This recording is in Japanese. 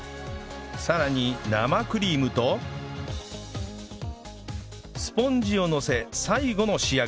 さらに生クリームとスポンジをのせ最後の仕上げ